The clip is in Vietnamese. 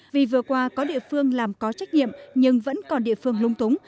vì vừa qua có địa phương làm có trách nhiệm nhưng vẫn còn địa phương lung túng